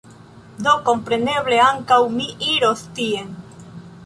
Do, kompreneble, ankaŭ mi iros tien